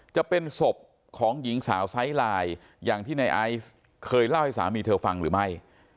จะเป็นศพของหญิงสาวไซส์ไลน์อย่างที่ในไอซ์เคยเล่าให้สามีเธอฟังหรือไม่